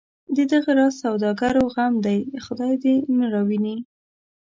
د دغه راز سوداګرو غم دی خدای نه راوویني.